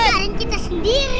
biarin kita sendiri